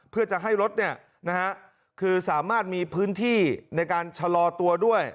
เพื่อจะให้รถคือสามารถมีพื้นที่ในการชะลอตัวด้วย